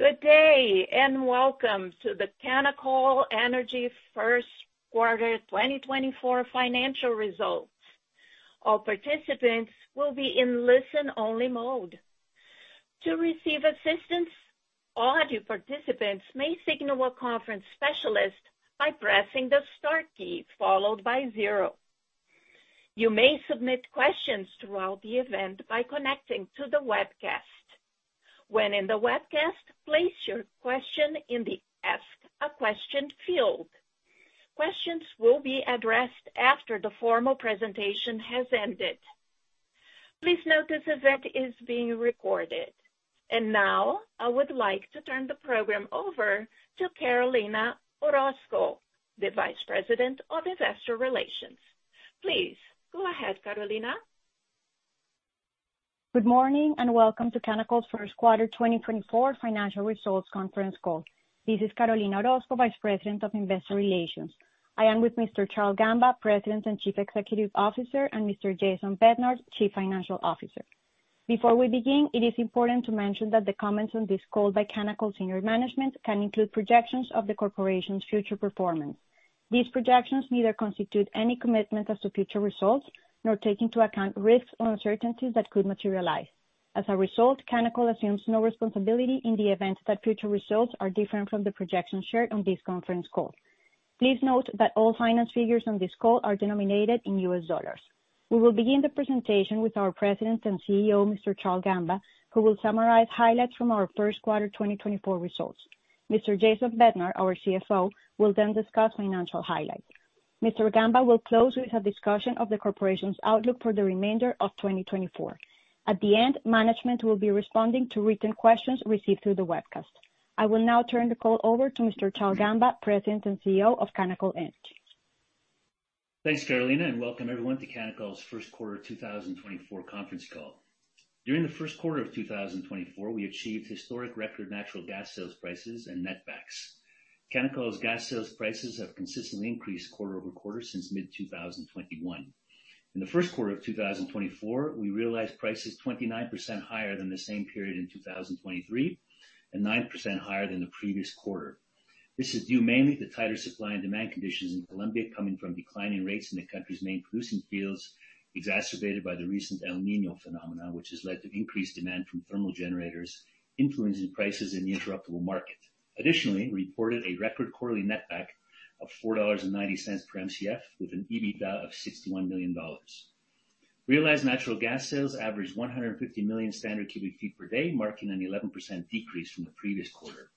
Good day and welcome to the Canacol Energy First Quarter 2024 Financial Results. All participants will be in listen-only mode. To receive assistance, all of you participants may signal a conference specialist by pressing the star key followed by zero. You may submit questions throughout the event by connecting to the webcast. When in the webcast, place your question in the Ask a Question field. Questions will be addressed after the formal presentation has ended. Please note this event is being recorded. Now I would like to turn the program over to Carolina Orozco, the Vice President of Investor Relations. Please go ahead, Carolina. Good morning and welcome to Canacol First Quarter 2024 financial results conference call. This is Carolina Orozco, Vice President of Investor Relations. I am with Mr. Charle Gamba, President and Chief Executive Officer, and Mr. Jason Bednar, Chief Financial Officer. Before we begin, it is important to mention that the comments on this call by Canacol Senior Management can include projections of the corporation's future performance. These projections neither constitute any commitment as to future results nor take into account risks or uncertainties that could materialize. As a result, Canacol assumes no responsibility in the event that future results are different from the projections shared on this conference call. Please note that all financial figures on this call are denominated in US dollars. We will begin the presentation with our President and CEO, Mr. Charle Gamba, who will summarize highlights from our first quarter 2024 results. Mr. Jason Bednar, our CFO, will then discuss financial highlights. Mr. Gamba will close with a discussion of the corporation's outlook for the remainder of 2024. At the end, management will be responding to written questions received through the webcast. I will now turn the call over to Mr. Charle Gamba, President and CEO of Canacol Energy. Thanks, Carolina, and welcome everyone to Canacol's First Quarter 2024 Conference Call. During the first quarter of 2024, we achieved historic record natural gas sales prices and netbacks. Canacol's gas sales prices have consistently increased quarter-over-quarter since mid-2021. In the first quarter of 2024, we realized prices 29% higher than the same period in 2023 and 9% higher than the previous quarter. This is due mainly to tighter supply and demand conditions in Colombia, coming from declining rates in the country's main producing fields exacerbated by the recent El Niño phenomenon, which has led to increased demand from thermal generators, influencing prices in the interruptible market. Additionally, we reported a record quarterly netback of $4.90 per MCF, with an EBITDA of $61 million. Realized natural gas sales averaged 150 million standard cu ft per day, marking an 11% decrease from the previous quarter.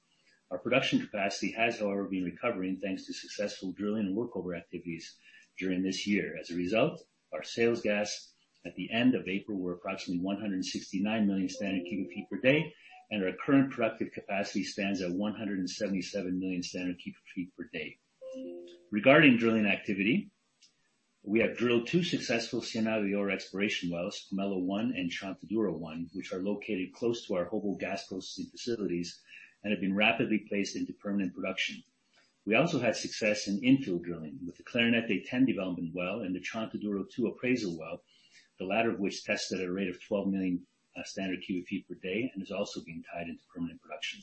Our production capacity has, however, been recovering thanks to successful drilling and workover activities during this year. As a result, our sales gas at the end of April were approximately 169 million standard cu ft per day, and our current productive capacity stands at 177 million standard cu ft per day. Regarding drilling activity, we have drilled two successful Ciénaga de Oro exploration wells, Pomelo-1 and Chontaduro 1, which are located close to our Jobo gas processing facilities and have been rapidly placed into permanent production. We also had success in infield drilling with the Clarinete-10 development well and the Chontaduro 2 appraisal well, the latter of which tested at a rate of 12 million standard cu ft per day and is also being tied into permanent production.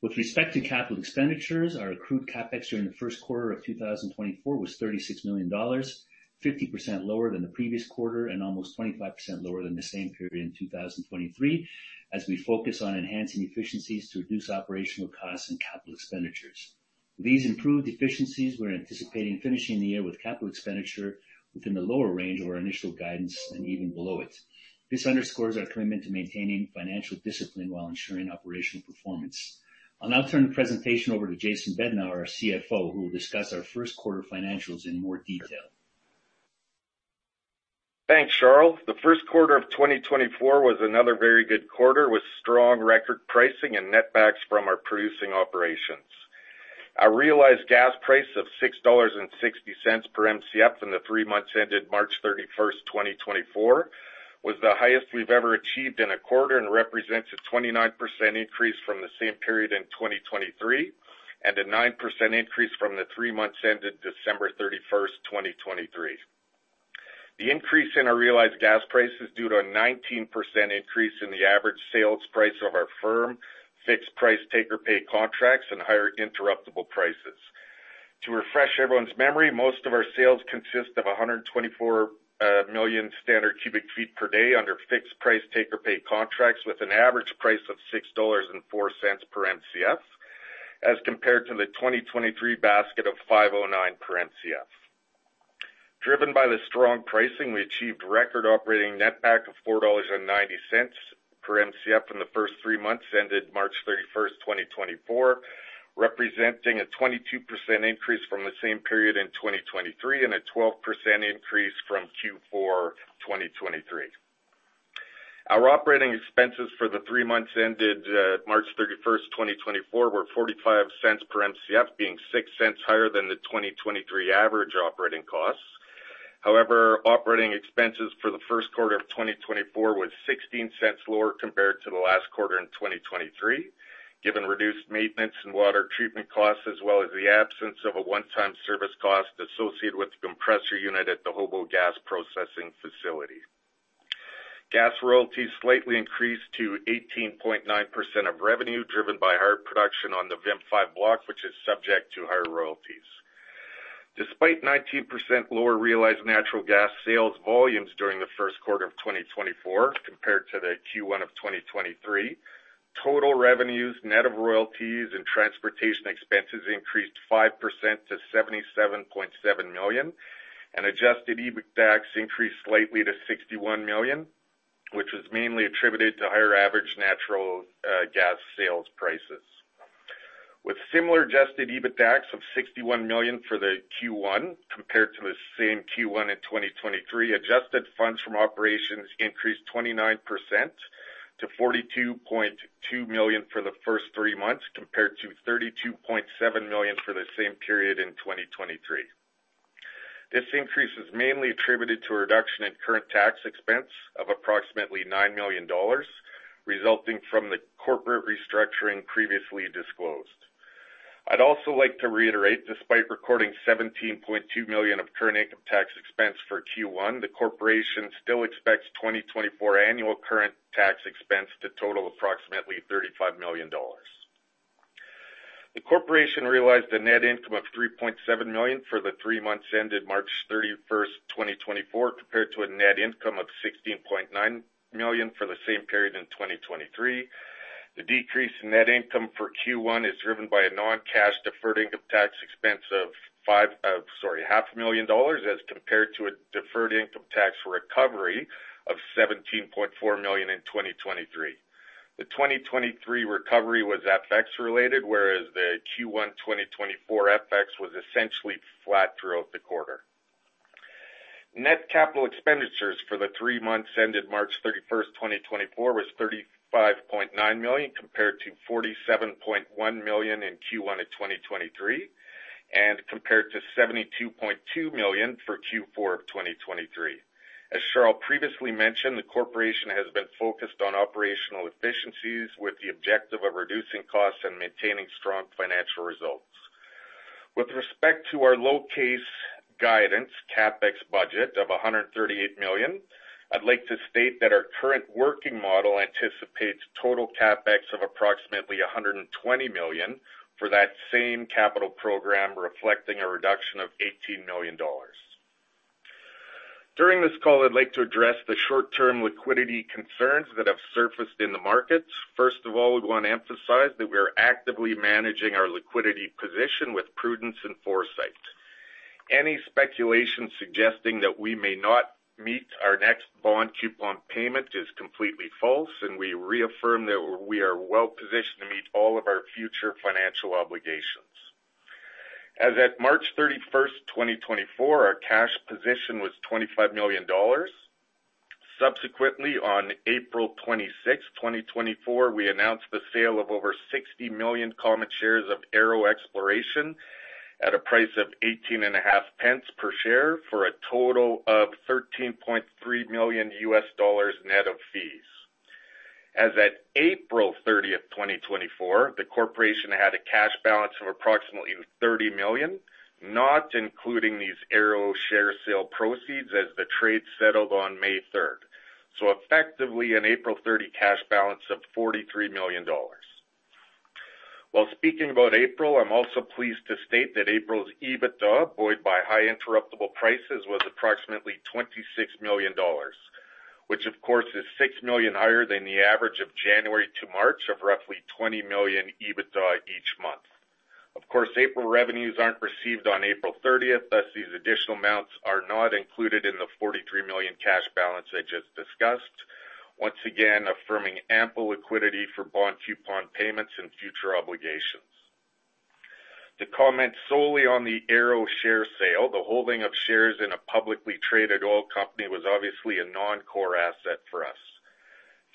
With respect to capital expenditures, our accrued CapEx during the first quarter of 2024 was $36 million, 50% lower than the previous quarter and almost 25% lower than the same period in 2023, as we focus on enhancing efficiencies to reduce operational costs and capital expenditures. With these improved efficiencies, we're anticipating finishing the year with capital expenditure within the lower range of our initial guidance and even below it. This underscores our commitment to maintaining financial discipline while ensuring operational performance. I'll now turn the presentation over to Jason Bednar, our CFO, who will discuss our first quarter financials in more detail. Thanks, Charle. The first quarter of 2024 was another very good quarter, with strong record pricing and netbacks from our producing operations. Our realized gas price of $6.60 per MCF in the three months ended March 31st, 2024, was the highest we've ever achieved in a quarter and represents a 29% increase from the same period in 2023 and a 9% increase from the three months ended December 31st, 2023. The increase in our realized gas price is due to a 19% increase in the average sales price of our firm fixed price take-or-pay contracts and higher interruptible prices. To refresh everyone's memory, most of our sales consist of 124 million standard cu ft per day under fixed price take-or-pay contracts with an average price of $6.04 per MCF as compared to the 2023 basket of $509 per MCF. Driven by the strong pricing, we achieved record operating netback of $4.90 per MCF in the first three months ended March 31st, 2024, representing a 22% increase from the same period in 2023 and a 12% increase from Q4 2023. Our operating expenses for the three months ended March 31st, 2024, were $0.45 per MCF, being $0.06 higher than the 2023 average operating costs. However, operating expenses for the first quarter of 2024 were $0.16 lower compared to the last quarter in 2023, given reduced maintenance and water treatment costs as well as the absence of a one-time service cost associated with the compressor unit at the Jobo gas processing facility. Gas royalties slightly increased to 18.9% of revenue, driven by higher production on the VIM5 block, which is subject to higher royalties. Despite 19% lower realized natural gas sales volumes during the first quarter of 2024 compared to the Q1 of 2023, total revenues, net of royalties, and transportation expenses increased 5% to $77.7 million, and adjusted EBITDAX increased slightly to $61 million, which was mainly attributed to higher average natural gas sales prices. With similar adjusted EBITDAX of $61 million for the Q1 compared to the same Q1 in 2023, adjusted funds from operations increased 29% to $42.2 million for the first three months compared to $32.7 million for the same period in 2023. This increase is mainly attributed to a reduction in current tax expense of approximately $9 million, resulting from the corporate restructuring previously disclosed. I'd also like to reiterate, despite recording $17.2 million of current income tax expense for Q1, the corporation still expects 2024 annual current tax expense to total approximately $35 million. The corporation realized a net income of $3.7 million for the three months ended March 31st, 2024, compared to a net income of $16.9 million for the same period in 2023. The decrease in net income for Q1 is driven by a non-cash deferred income tax expense of $5 sorry, $500,000 as compared to a deferred income tax recovery of $17.4 million in 2023. The 2023 recovery was FX-related, whereas the Q1 2024 FX was essentially flat throughout the quarter. Net capital expenditures for the three months ended March 31st, 2024, were $35.9 million compared to $47.1 million in Q1 of 2023 and compared to $72.2 million for Q4 of 2023. As Charle previously mentioned, the corporation has been focused on operational efficiencies with the objective of reducing costs and maintaining strong financial results. With respect to our low-case guidance CapEx budget of $138 million, I'd like to state that our current working model anticipates total CapEx of approximately $120 million for that same capital program, reflecting a reduction of $18 million. During this call, I'd like to address the short-term liquidity concerns that have surfaced in the markets. First of all, we want to emphasize that we are actively managing our liquidity position with prudence and foresight. Any speculation suggesting that we may not meet our next bond coupon payment is completely false, and we reaffirm that we are well positioned to meet all of our future financial obligations. As at March 31st, 2024, our cash position was $25 million. Subsequently, on April 26th, 2024, we announced the sale of over 60 million common shares of Arrow Exploration at a price of $0.185 per share for a total of $13.3 million net of fees. As at April 30th, 2024, the corporation had a cash balance of approximately $30 million, not including these Arrow share sale proceeds as the trade settled on May 3rd. So effectively, an April 30 cash balance of $43 million. While speaking about April, I'm also pleased to state that April's EBITDA, buoyed by high interruptible prices, was approximately $26 million, which, of course, is $6 million higher than the average of January to March of roughly $20 million EBITDA each month. Of course, April revenues aren't received on April 30th, thus these additional amounts are not included in the $43 million cash balance I just discussed, once again affirming ample liquidity for bond coupon payments and future obligations. To comment solely on the Arrow share sale, the holding of shares in a publicly traded oil company was obviously a non-core asset for us.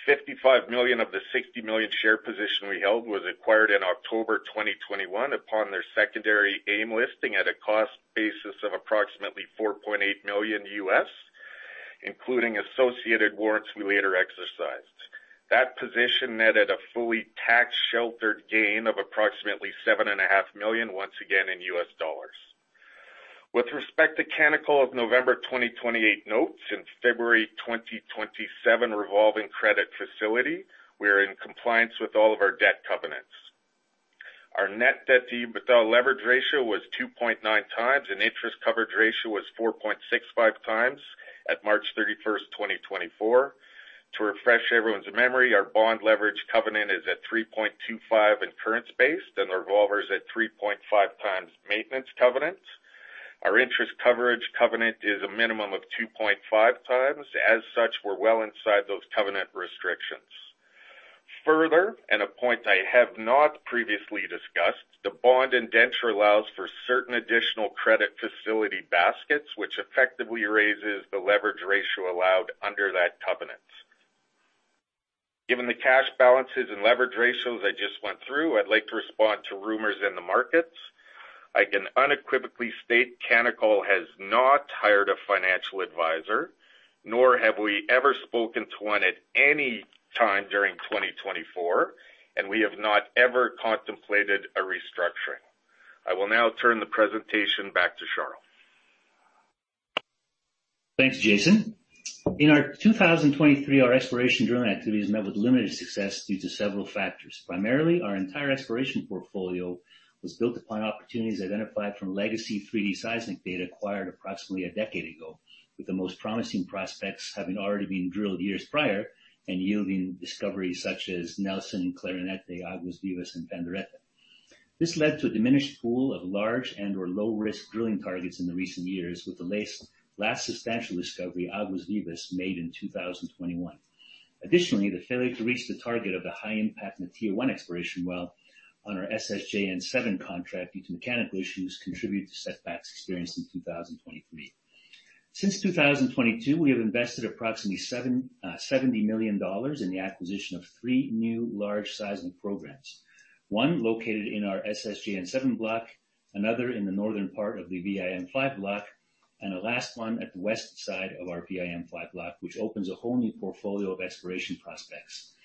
55 million of the 60 million share position we held was acquired in October 2021 upon their secondary AIM listing at a cost basis of approximately $4.8 million, including associated warrants we later exercised. That position netted a fully tax-sheltered gain of approximately $7.5 million, once again in US dollars. With respect to Canacol's November 2028 notes and February 2027 revolving credit facility, we are in compliance with all of our debt covenants. Our net debt to EBITDA leverage ratio was 2.9 times, and interest coverage ratio was 4.65 times at March 31st, 2024. To refresh everyone's memory, our bond leverage covenant is at 3.25 in current space, and the revolver's at 3.5 times maintenance covenant. Our interest coverage covenant is a minimum of 2.5 times. As such, we're well inside those covenant restrictions. Further, and a point I have not previously discussed, the bond indenture allows for certain additional credit facility baskets, which effectively raises the leverage ratio allowed under that covenant. Given the cash balances and leverage ratios I just went through, I'd like to respond to rumors in the markets. I can unequivocally state Canacol has not hired a financial advisor, nor have we ever spoken to one at any time during 2024, and we have not ever contemplated a restructuring. I will now turn the presentation back to Charle. Thanks, Jason. In 2023, our exploration drilling activities met with limited success due to several factors. Primarily, our entire exploration portfolio was built upon opportunities identified from legacy 3D seismic data acquired approximately a decade ago, with the most promising prospects having already been drilled years prior and yielding discoveries such as Nelson, Clarinete, Aguas Vivas, and Pandereta. This led to a diminished pool of large and/or low-risk drilling targets in the recent years, with the last substantial discovery, Aguas Vivas, made in 2021. Additionally, the failure to reach the target of the high-impact Natilla-1 exploration well on our SSJN7 contract due to mechanical issues contributed to setbacks experienced in 2023. Since 2022, we have invested approximately $70 million in the acquisition of three new large seismic programs, one located in our SSJN7 block, another in the northern part of the VIM5 block, and a last one at the west side of our VIM5 block, which opens a whole new portfolio of exploration prospects.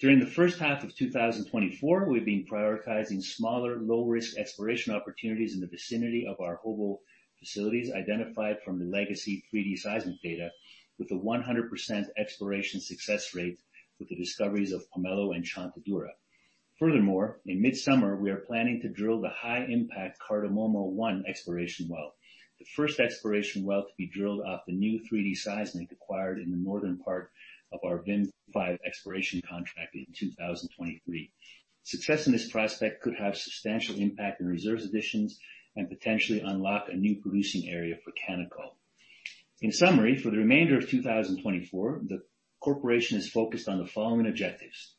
During the first half of 2024, we've been prioritizing smaller, low-risk exploration opportunities in the vicinity of our Jobo facilities identified from the legacy 3D seismic data, with a 100% exploration success rate with the discoveries of Pomelo and Chontaduro. Furthermore, in mid-summer, we are planning to drill the high-impact Cardamomo-1 exploration well, the first exploration well to be drilled off the new 3D seismic acquired in the northern part of our VIM5 exploration contract in 2023. Success in this prospect could have substantial impact in reserve additions and potentially unlock a new producing area for Canacol. In summary, for the remainder of 2024, the corporation is focused on the following objectives.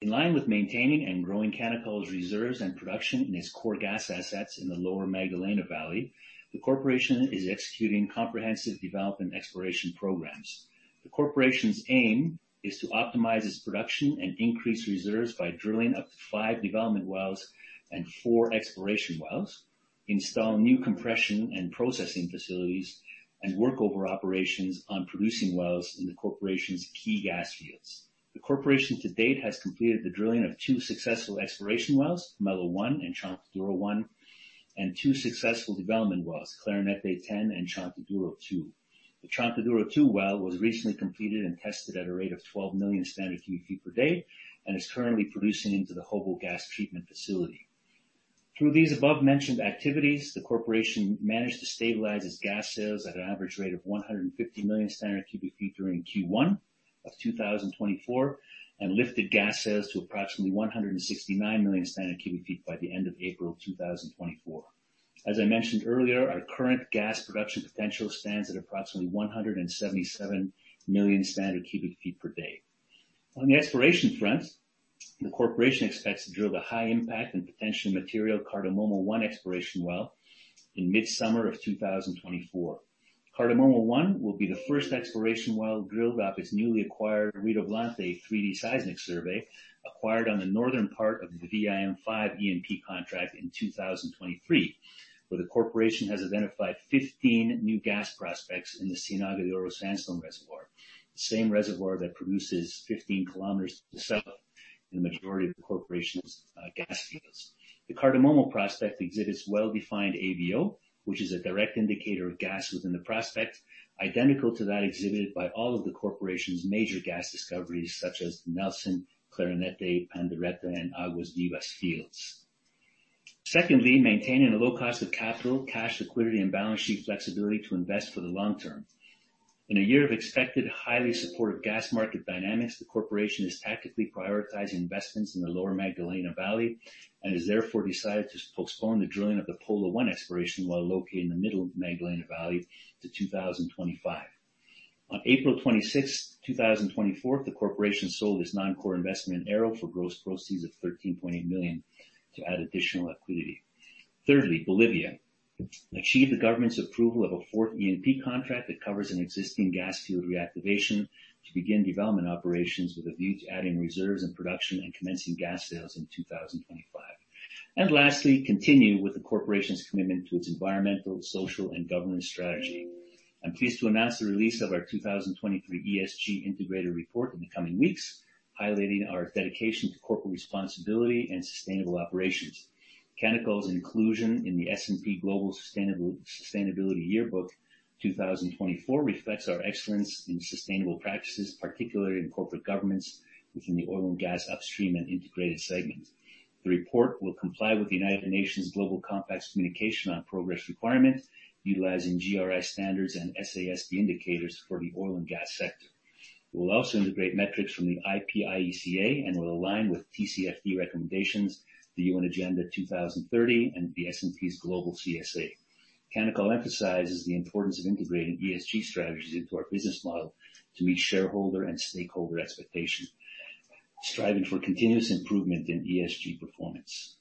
In line with maintaining and growing Canacol's reserves and production in its core gas assets in the Lower Magdalena Valley, the corporation is executing comprehensive development exploration programs. The corporation's AIM is to optimize its production and increase reserves by drilling up to five development wells and four exploration wells, install new compression and processing facilities, and workover operations on producing wells in the corporation's key gas fields. The corporation to date has completed the drilling of two successful exploration wells, Pomelo-1 and Chontaduro 1, and 2 successful development wells, Clarinete-10 and Chontaduro 2. The Chontaduro 2 well was recently completed and tested at a rate of 12 million standard cu ft per day and is currently producing into the Jobo gas treatment facility. Through these above-mentioned activities, the corporation managed to stabilize its gas sales at an average rate of 150 million standard cu ft during Q1 of 2024 and lifted gas sales to approximately 169 million standard cu ft by the end of April 2024. As I mentioned earlier, our current gas production potential stands at approximately 177 million standard cu ft per day. On the exploration front, the corporation expects to drill the high-impact and potentially material Cardamomo-1 exploration well in mid-summer of 2024. Cardamomo-1 will be the first exploration well drilled off its newly acquired Redoblante 3D seismic survey acquired on the northern part of the VIM5 E&P contract in 2023, where the corporation has identified 15 new gas prospects in the Ciénaga de Oro Sandstone Reservoir, the same reservoir that produces 15 kilometers to the south in the majority of the corporation's gas fields. The Cardamomo prospect exhibits well-defined AVO, which is a direct indicator of gas within the prospect, identical to that exhibited by all of the corporation's major gas discoveries such as the Nelson, Clarinete, Pandereta, and Aguas Vivas fields. Secondly, maintaining a low cost of capital, cash liquidity, and balance sheet flexibility to invest for the long term. In a year of expected highly supportive gas market dynamics, the corporation is tactically prioritizing investments in the Lower Magdalena Valley and has therefore decided to postpone the drilling of the Pola-1 exploration well located in the Middle Magdalena Valley to 2025. On April 26th, 2024, the corporation sold its non-core investment in Arrow for gross proceeds of $13.8 million to add additional liquidity. Thirdly, Canacol achieved the government's approval of a fourth E&P contract in Bolivia that covers an existing gas field reactivation to begin development operations with a view to adding reserves and production and commencing gas sales in 2025. Lastly, continue with the corporation's commitment to its environmental, social, and governance strategy. I'm pleased to announce the release of our 2023 ESG Integrator Report in the coming weeks, highlighting our dedication to corporate responsibility and sustainable operations. Canacol's inclusion in the S&P Global Sustainability Yearbook 2024 reflects our excellence in sustainable practices, particularly in corporate governance within the oil and gas upstream and integrated segments. The report will comply with the United Nations Global Compact's communication on progress requirements, utilizing GRI standards and SASB indicators for the oil and gas sector. It will also integrate metrics from the IPIECA and will align with TCFD recommendations, the UN Agenda 2030, and the S&P's Global CSA. Canacol emphasizes the importance of integrating ESG strategies into our business model to meet shareholder and stakeholder expectations, striving for continuous improvement in ESG performance.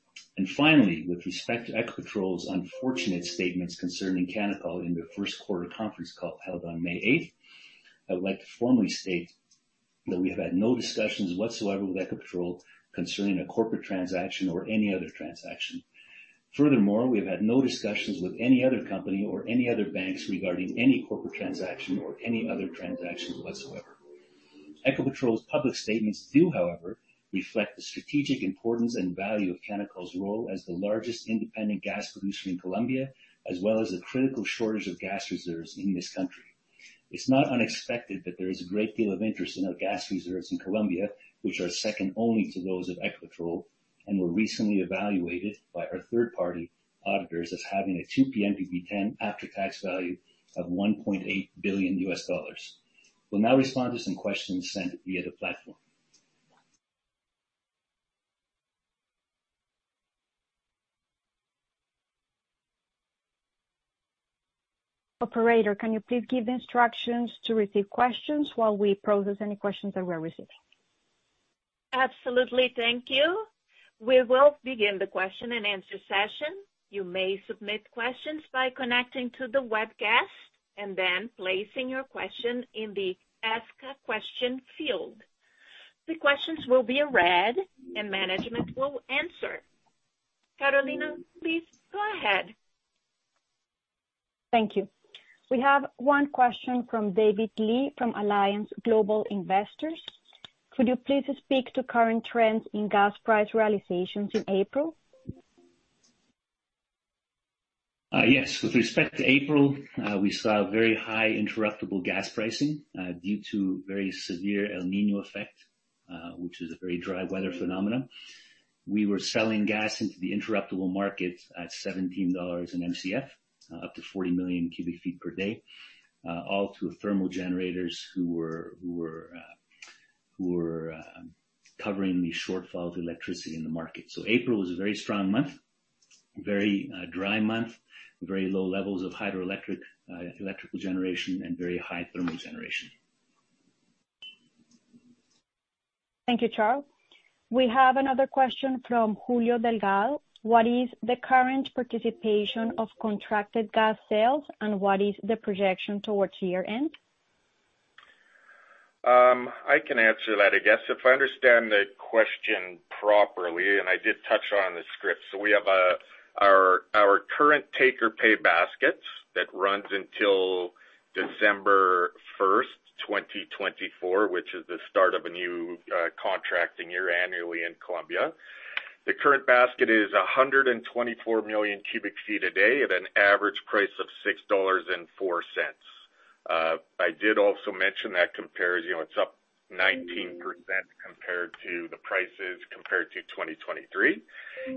Finally, with respect to Ecopetrol's unfortunate statements concerning Canacol in their first quarter conference call held on May 8th, I would like to formally state that we have had no discussions whatsoever with Ecopetrol concerning a corporate transaction or any other transaction. Furthermore, we have had no discussions with any other company or any other banks regarding any corporate transaction or any other transactions whatsoever. Ecopetrol's public statements do, however, reflect the strategic importance and value of Canacol's role as the largest independent gas producer in Colombia, as well as the critical shortage of gas reserves in this country. It's not unexpected that there is a great deal of interest in our gas reserves in Colombia, which are second only to those of Ecopetrol and were recently evaluated by our third-party auditors as having a 2P NPV10 after-tax value of $1.8 billion. We'll now respond to some questions sent via the platform. Operator, can you please give instructions to receive questions while we process any questions that we are receiving? Absolutely. Thank you. We will begin the question and answer session. You may submit questions by connecting to the webcast and then placing your question in the Ask a Question field. The questions will be read, and management will answer. Carolina, please go ahead. Thank you. We have one question from David Lee from Allianz Global Investors. Could you please speak to current trends in gas price realizations in April? Yes. With respect to April, we saw very high interruptible gas pricing due to very severe El Niño effect, which is a very dry weather phenomenon. We were selling gas into the interruptible markets at $17 an MCF, up to 40 million cu ft per day, all to thermal generators who were covering the shortfall of electricity in the market. So April was a very strong month, very dry month, very low levels of hydroelectric electrical generation, and very high thermal generation. Thank you, Charle. We have another question from Julio Delgado. What is the current participation of contracted gas sales, and what is the projection towards year-end? I can answer that. I guess if I understand the question properly, and I did touch on the script, so we have our current take-or-pay basket that runs until December 1st, 2024, which is the start of a new contracting year annually in Colombia. The current basket is 124 million cu ft a day at an average price of $6.04. I did also mention that compares it's up 19% compared to the prices compared to 2023.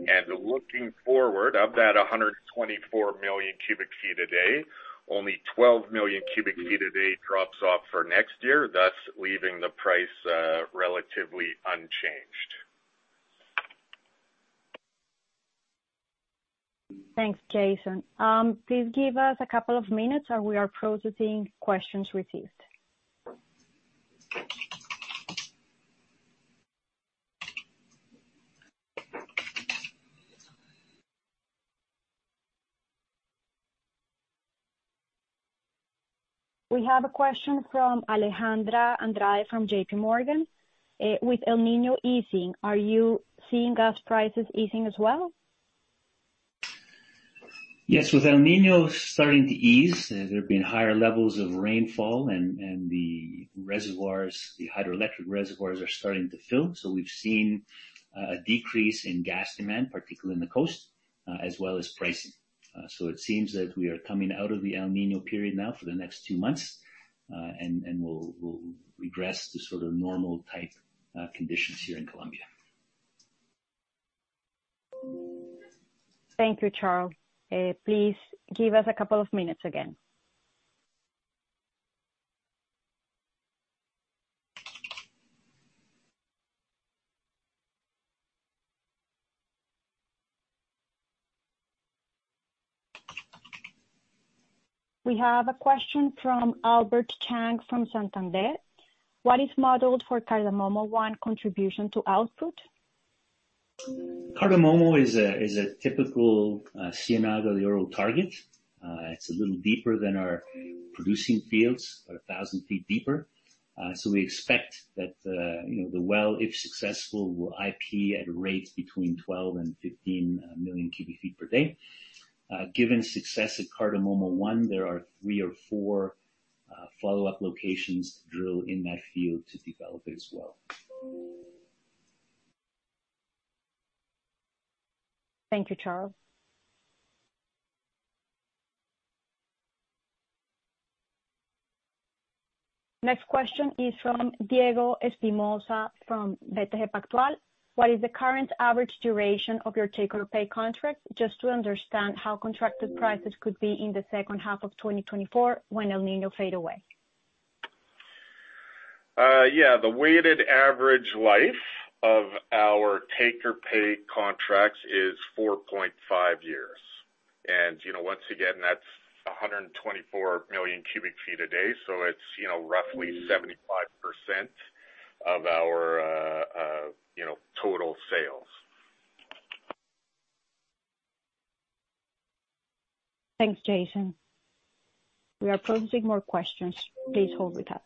And looking forward, of that 124 million cu ft a day, only 12 million cu ft a day drops off for next year, thus leaving the price relatively unchanged. Thanks, Jason. Please give us a couple of minutes, and we are processing questions received. We have a question from Alejandra Andrade from J.P. Morgan. With El Niño easing, are you seeing gas prices easing as well? Yes. With El Niño starting to ease, there have been higher levels of rainfall, and the hydroelectric reservoirs are starting to fill. So we've seen a decrease in gas demand, particularly in the coast, as well as pricing. So it seems that we are coming out of the El Niño period now for the next two months, and we'll regress to sort of normal-type conditions here in Colombia. Thank you, Charle. Please give us a couple of minutes again. We have a question from Albert Chang from Santander. What is modeled for Cardamomo-1 contribution to output? Cardamomo is a typical Ciénaga de Oro target. It's a little deeper than our producing fields, about 1,000 ft deeper. So we expect that the well, if successful, will IP at a rate between 12 million-15 million cu ft per day. Given success at Cardamomo-1, there are three or four follow-up locations to drill in that field to develop it as well. Thank you, Charle. Next question is from Diego Espinosa from BTG Pactual. What is the current average duration of your take-or-pay contract, just to understand how contracted prices could be in the second half of 2024 when El Niño fade away? Yeah. The weighted average life of our take-or-pay contracts is 4.5 years. Once again, that's 124 million cu ft a day, so it's roughly 75% of our total sales. Thanks, Jason. We are processing more questions. Please hold with us.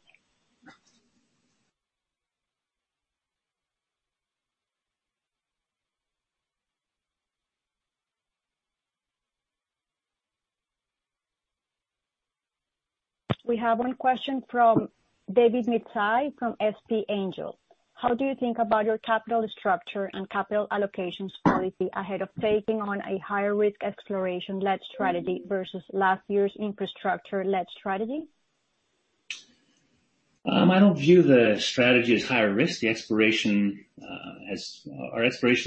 We have one question from David Mirzai from SP Angel. How do you think about your capital structure and capital allocations quality ahead of taking on a higher-risk exploration-led strategy versus last year's infrastructure-led strategy? I don't view the strategy as higher risk. Our exploration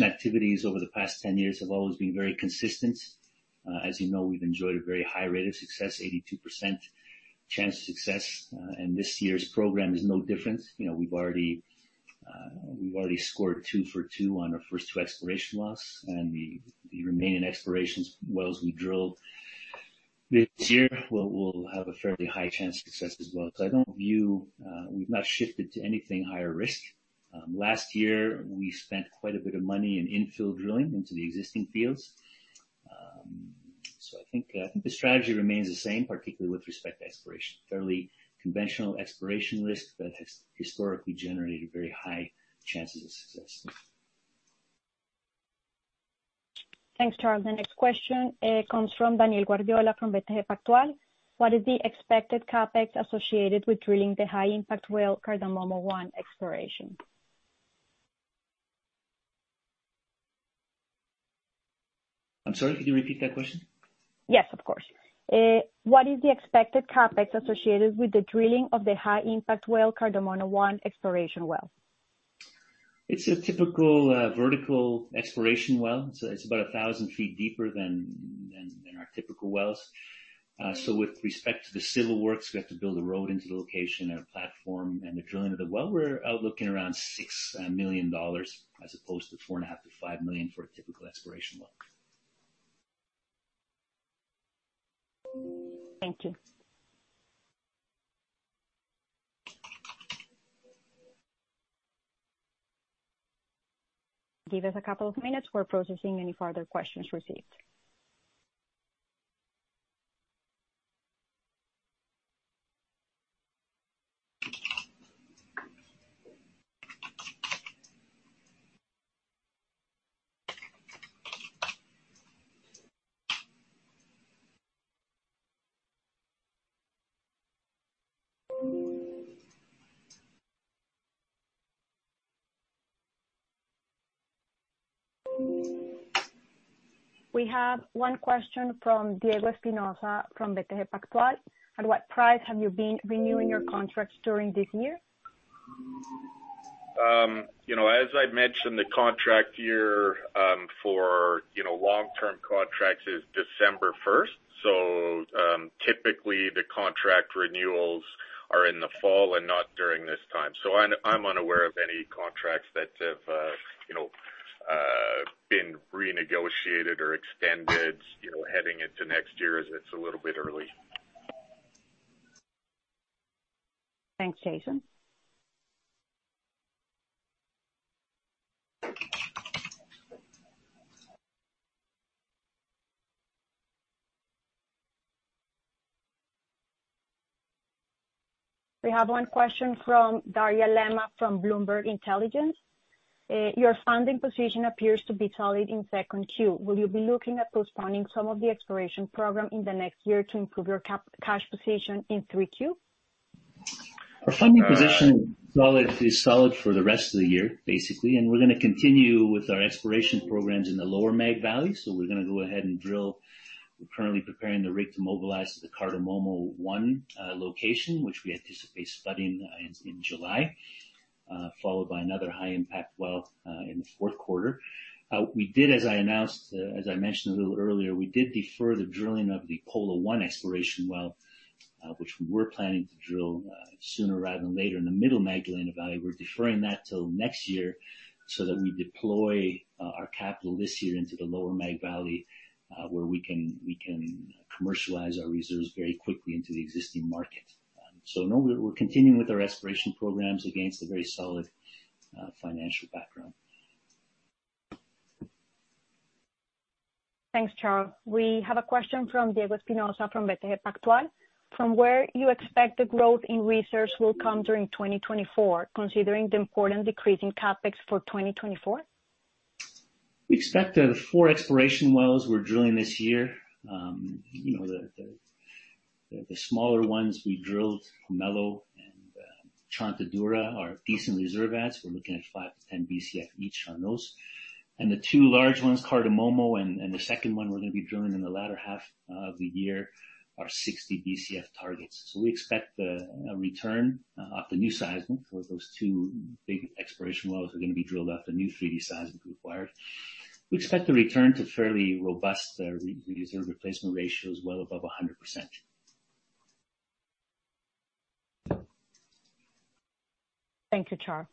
activities over the past 10 years have always been very consistent. As you know, we've enjoyed a very high rate of success, 82% chance of success. This year's program is no different. We've already scored two for two on our first two exploration wells. The remaining exploration wells we drill this year will have a fairly high chance of success as well. So I don't view we've not shifted to anything higher risk. Last year, we spent quite a bit of money in infill drilling into the existing fields. So I think the strategy remains the same, particularly with respect to exploration, fairly conventional exploration risk that has historically generated very high chances of success. Thanks, Charle. The next question comes from Daniel Guardiola from BTG Pactual. What is the expected CapEx associated with drilling the high-impact well Cardamomo-1 exploration? I'm sorry. Could you repeat that question? Yes, of course. What is the expected CapEx associated with the drilling of the high-impact well Cardamomo-1 exploration well? It's a typical vertical exploration well. So it's about 1,000 ft deeper than our typical wells. So with respect to the civil works, we have to build a road into the location and a platform. And the drilling of the well, we're outlooking around $6 million as opposed to $4.5 million-$5 million for a typical exploration well. Thank you. Give us a couple of minutes. We're processing any further questions received. We have one question from Diego Espinosa from BTG Pactual. At what price have you been renewing your contracts during this year? As I mentioned, the contract year for long-term contracts is December 1st. So typically, the contract renewals are in the fall and not during this time. So I'm unaware of any contracts that have been renegotiated or extended heading into next year as it's a little bit early. Thanks, Jason. We have one question from Daria Lema from Bloomberg Intelligence. Your funding position appears to be solid in second Q. Will you be looking at postponing some of the exploration program in the next year to improve your cash position in three Q? Our funding position is solid for the rest of the year, basically. We're going to continue with our exploration programs in the Lower Mag Valley. We're going to go ahead and drill. We're currently preparing the rig to mobilize the Cardamomo-1 location, which we anticipate drilling in July, followed by another high-impact well in the fourth quarter. As I mentioned a little earlier, we did defer the drilling of the Pola-1 exploration well, which we were planning to drill sooner rather than later in the middle Magdalena Valley. We're deferring that till next year so that we deploy our capital this year into the Lower Mag Valley, where we can commercialize our reserves very quickly into the existing market. So no, we're continuing with our exploration programs against a very solid financial background. Thanks, Charle. We have a question from Diego Espinosa from BTG Pactual. From where you expect the growth in resource will come during 2024, considering the important decrease in CapEx for 2024? We expect that the four exploration wells we're drilling this year, the smaller ones we drilled, Pomelo and Chontaduro, are decent reserve adds. We're looking at five to 10 BCF each on those. And the two large ones, Cardamomo and the second one we're going to be drilling in the latter half of the year, are 60 BCF targets. So we expect a return off the new seismic. So those two big exploration wells are going to be drilled off the new 3D seismic required. We expect to return to fairly robust reserve replacement ratios, well above 100%. Thank you, Charle.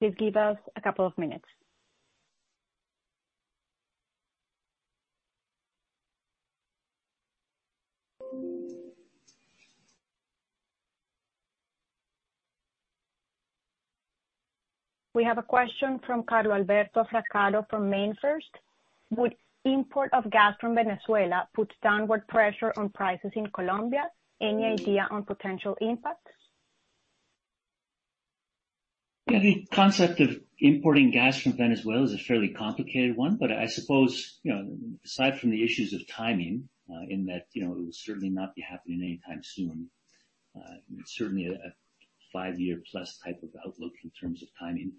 Please give us a couple of minutes. We have a question from Carlo Alberto Fraccaro from MainFirst. Would import of gas from Venezuela put downward pressure on prices in Colombia? Any idea on potential impact? The concept of importing gas from Venezuela is a fairly complicated one, but I suppose aside from the issues of timing in that it will certainly not be happening anytime soon, certainly a five-year-plus type of outlook in terms of timing.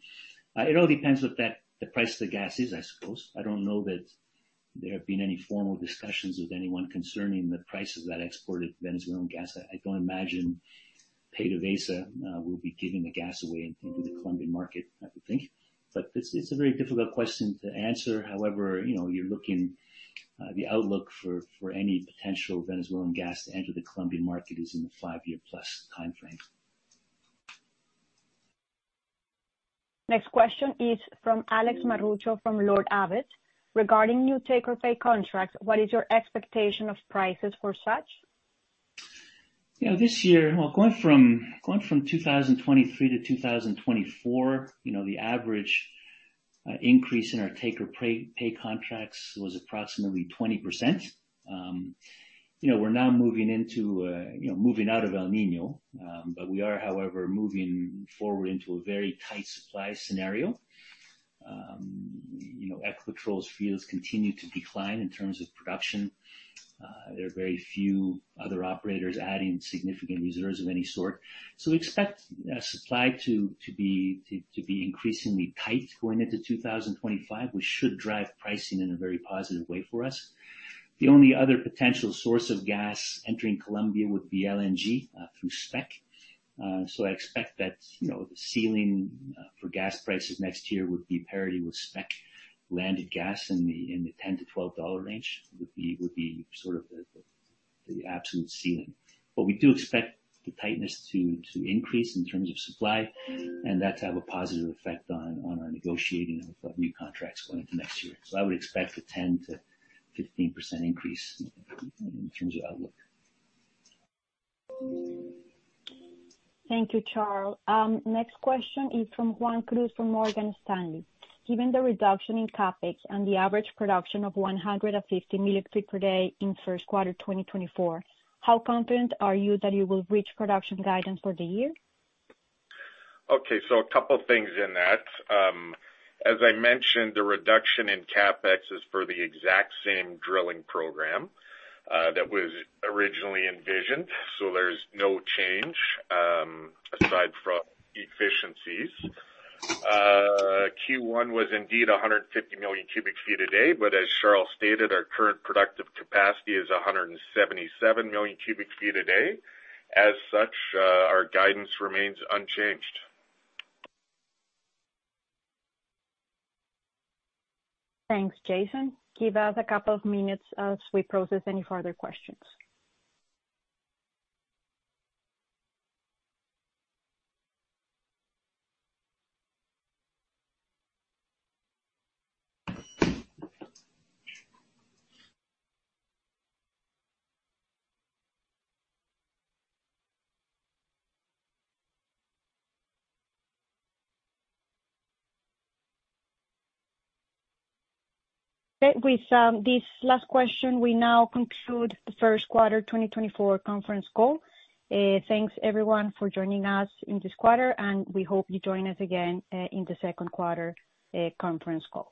It all depends what the price of the gas is, I suppose. I don't know that there have been any formal discussions with anyone concerning the prices that exported Venezuelan gas. I don't imagine PDVSA will be giving the gas away into the Colombian market, I would think. But it's a very difficult question to answer. However, the outlook for any potential Venezuelan gas to enter the Colombian market is in the five-year-plus timeframe. Next question is from Alex Marrucho from Lord Abbett. Regarding new take-or-pay contracts, what is your expectation of prices for such? This year, well, going from 2023 to 2024, the average increase in our take-or-pay contracts was approximately 20%. We're now moving out of El Niño, but we are, however, moving forward into a very tight supply scenario. Ecopetrol's fields continue to decline in terms of production. There are very few other operators adding significant reserves of any sort. So we expect supply to be increasingly tight going into 2025, which should drive pricing in a very positive way for us. The only other potential source of gas entering Colombia would be LNG through SPEC. So I expect that the ceiling for gas prices next year would be parity with SPEC landed gas in the $10-$12 range, would be sort of the absolute ceiling. But we do expect the tightness to increase in terms of supply, and that's to have a positive effect on our negotiating of new contracts going into next year. So I would expect a 10%-15% increase in terms of outlook. Thank you, Charle. Next question is from Juan Cruz from Morgan Stanley. Given the reduction in CapEx and the average production of 150 million ft per day in first quarter 2024, how confident are you that you will reach production guidance for the year? Okay. So a couple of things in that. As I mentioned, the reduction in CapEx is for the exact same drilling program that was originally envisioned. So there's no change aside from efficiencies. Q1 was indeed 150 million cu ft a day, but as Charles stated, our current productive capacity is 177 million cu ft a day. As such, our guidance remains unchanged. Thanks, Jason. Give us a couple of minutes as we process any further questions. With this last question, we now conclude the first quarter 2024 conference call. Thanks, everyone, for joining us in this quarter, and we hope you join us again in the second quarter conference call.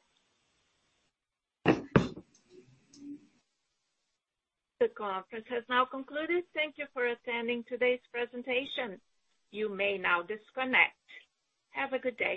The conference has now concluded. Thank you for attending today's presentation. You may now disconnect. Have a good day.